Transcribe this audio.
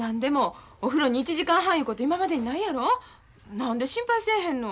何で心配せえへんの。